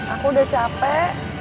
aku udah capok